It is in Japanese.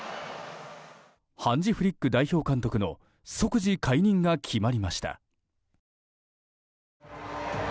ハンジ・フリック代表監督の即時解任が決まりました。